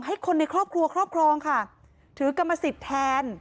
ให้คนในครอบครัวครอบครองค่ะถือกรรมสิทธิ์แทน